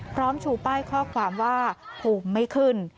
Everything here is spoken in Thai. พร้อมชูป้ายข้อความว่าหุ่มไม่ขึ้น